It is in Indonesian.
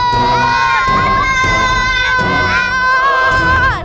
gak ada apa apa